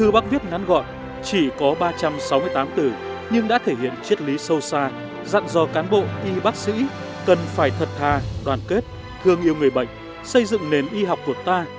bác viết ngắn gọi chỉ có ba trăm sáu mươi tám từ nhưng đã thể hiện triết lý sâu xa dặn do cán bộ y bác sĩ cần phải thật thà đoàn kết thương yêu người bệnh xây dựng nền y học của ta